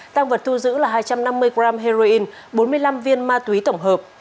tăng vật thu giữ là hai trăm năm mươi g heroin bốn mươi năm viên ma túy tổng hợp